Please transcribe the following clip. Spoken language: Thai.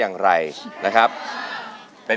ร้องได้ให้ร้าง